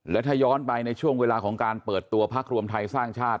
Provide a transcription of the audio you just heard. และถ้าย้อนไปในช่วงเวลาของการเปิดตัวพักรวมไทยสร้างชาติ